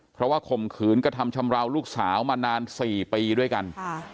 เพราะว่าข่มขืนกระทำชำราวลูกสาวมานาน๔ปีด้วยกัน